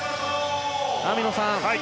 網野さん